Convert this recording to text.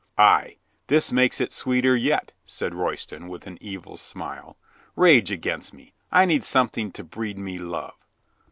"Ay, this makes it sweeter yet," said Royston, with an evil smile. "Rage against me. I need some thing to breed me love."